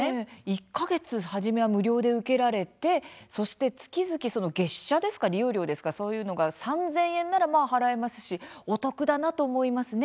１か月初めは無料で受けられて月々、月謝利用料そういうものが、３０００円なら払えますしお得だなと思いますね。